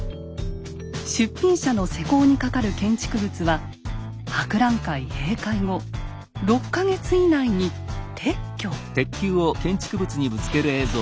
「出品者の施工にかかる建築物は博覧会閉会後６か月以内に撤去」。